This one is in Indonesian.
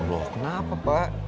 loh kenapa pak